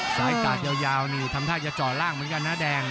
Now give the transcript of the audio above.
สายกาดยาวนี่ทำท่าจะจอดล่างเหมือนกันนะแดง